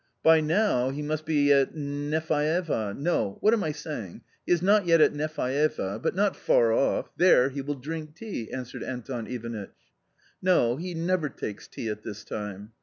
"By now he must be at Nefaeva. No, what am I saying? — he is not yet at Nefaeva, but not far off; there he will drink tea," answered Anton Ivanitch. " No, he never takes tea at this time."